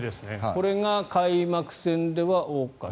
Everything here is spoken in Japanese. これが開幕戦では多かった。